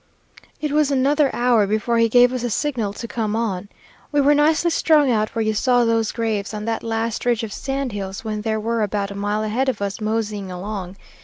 It was another hour before he gave us the signal to come on. We were nicely strung out where you saw those graves on that last ridge of sand hills, when there they were about a mile ahead of us, moseying along.